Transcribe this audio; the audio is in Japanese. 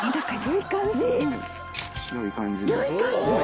良い感じ！